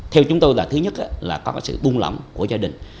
theo chúng tôi là thứ nhất là có sự buông lỏng của gia đình